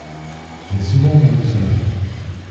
J’ai souvent entendu cela.